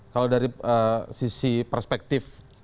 kalau dari sisi perspektif